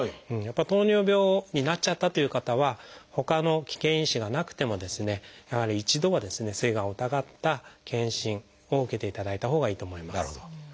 糖尿病になっちゃったという方はほかの危険因子がなくてもやはり一度はすいがんを疑った検診を受けていただいたほうがいいと思います。